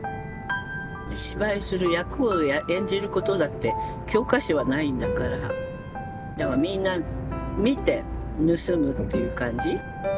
芝居する役を演じることだって教科書はないんだからだからみんな見て盗むっていう感じ。